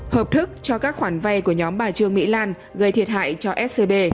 hợp thức cho các khoản vay của nhóm bà trương mỹ lan gây thiệt hại cho scb